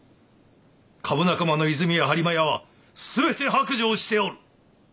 株仲間の和泉屋播磨屋は全て白状しておる。